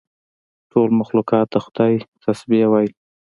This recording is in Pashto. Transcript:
ټول مخلوقات د خدای تسبیح وایي.